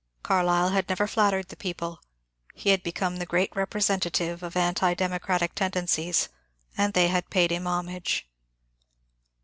Carlyle had never flattered the people, he had become the great representative of anti democratic tendencies, and they had paid him homage.